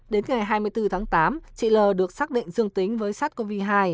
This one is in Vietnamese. đến ngày hai mươi bốn tháng tám chị l được xác định dương tính với sát covid hai